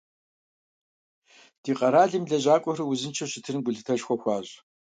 Ди къэралым и лэжьакӀуэхэр узыншэу щытыным гулъытэшхуэ хуащӀ.